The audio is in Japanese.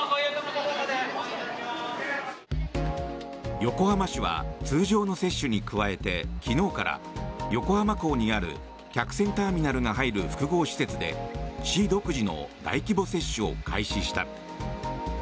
横浜市は通常の接種に加えて昨日から横浜港にある客船ターミナルが入る複合施設で市独自の大規模接種を開始した。